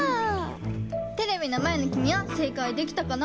テレビのまえのきみはせいかいできたかな？